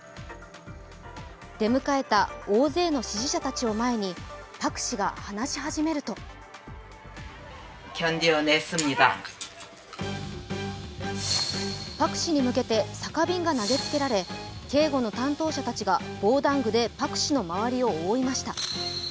出迎えた大勢の支持者たちを前にパク氏が話し始めるとパク氏に向けて酒瓶が投げつけられ警護の担当者たちが防弾具でパク氏の周りを覆いました。